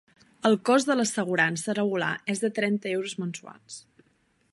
El cost de l'assegurança regular és de trenta euros mensuals.